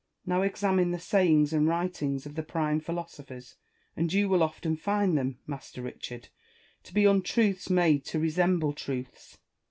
Now, examine the sayings and writings of the prime philosophers, and you will often find them, Master Richai'd, to be untruths made to resemble truths.